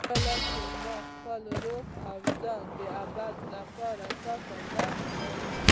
کله چې ما خپل روح او ځان د ابد لپاره تا ته درکړل.